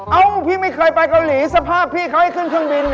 พี่ไม่เคยไปเกาหลีสภาพพี่เขาให้ขึ้นเครื่องบิน